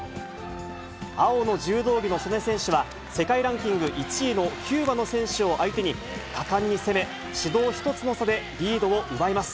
青の柔道着の素根選手は、世界ランキング１位のキューバの選手を相手に、果敢に攻め、指導１つの差でリードを奪います。